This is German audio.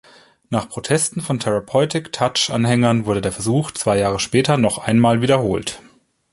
Nach Protesten von Therapeutic-Touch-Anhängern wurde der Versuch zwei Jahre später noch einmal wiederholt.